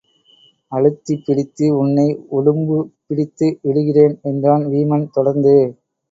அழுத்திப் பிடித்து உன்னை உடம்பு பிடித்து விடுகிறேன் என்றான் வீமன் தொடர்ந்து.